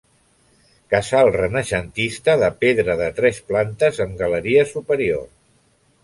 Casal renaixentista de pedra de tres plantes amb galeria superior.